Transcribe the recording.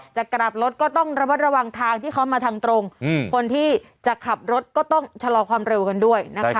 จะกลับรถก็ต้องระวัดระวังทางที่เขามาทางตรงคนที่จะขับรถก็ต้องชะลอความเร็วกันด้วยนะคะ